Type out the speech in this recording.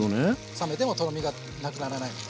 冷めてもとろみがなくならないので。